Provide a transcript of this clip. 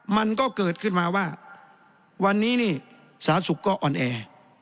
มันก็เกิดขึ้นมาว่าวันนี้นี่สาธารณสุขก็อ่อนแอ